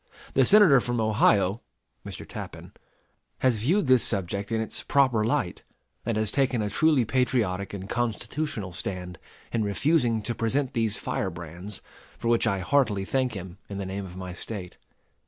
The Senator from Ohio [Mr. Tappan] has viewed this subject in its proper light, and has taken a truly patriotic and constitutional stand in refusing to present these firebrands, for which I heartily thank him in the name of my State.